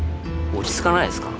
落ち着かないですか？